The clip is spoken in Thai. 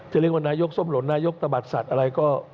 จะเรียกว่านายุกส์ส้มหลวนนะนายุกส์ตะบัดศัตริย์อะไรก็